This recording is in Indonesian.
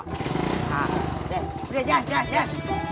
udah jalan jalan